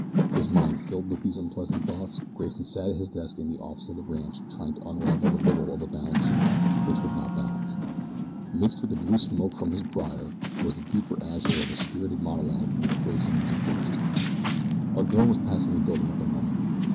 His mind filled with these unpleasant thoughts, Grayson sat at his desk in the office of the ranch trying to unravel the riddle of a balance sheet which would not balance. Mixed with the blue of the smoke from his briar was the deeper azure of a spirited monologue in which Grayson was engaged. A girl was passing the building at the moment.